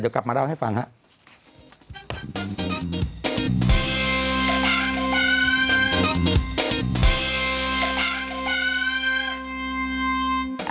เดี๋ยวกลับมาเล่าให้ฟังครับ